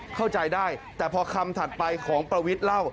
เข้าใจได้แต่พอคำถัดไปของประวิทย์เล่า